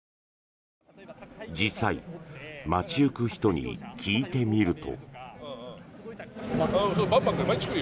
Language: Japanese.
実際街行く人に聞いてみると。